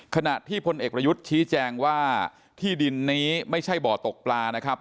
ขณะที่พลเอกประยุทธ์ชี้แจงว่าที่ดินนี้ไม่ใช่บ่อตกปลานะครับ